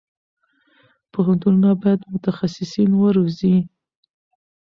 پوهنتونونه باید متخصصین وروزي.